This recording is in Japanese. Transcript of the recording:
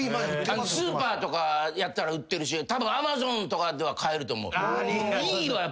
スーパーとかやったら売ってるしたぶんＡｍａｚｏｎとかでは買えると思う。